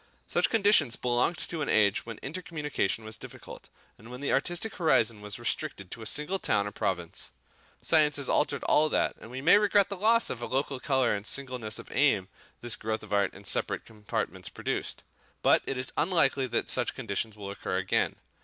Such conditions belonged to an age when intercommunication was difficult, and when the artistic horizon was restricted to a single town or province. Science has altered all that, and we may regret the loss of local colour and singleness of aim this growth of art in separate compartments produced; but it is unlikely that such conditions will occur again.